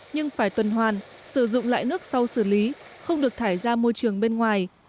nhưng phải tuần hoàn sử dụng lại nước sau xử lý không được thải ra môi trường bên ngoài